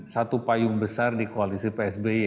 satu payung besar di koalisi psby